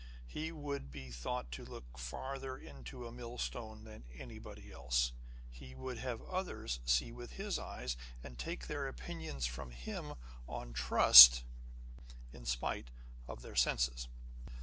He would be thought to look farther into a millstone than anybody else. He would have others see with his eyes, and take their opinions from him on trust, in spite of their senses.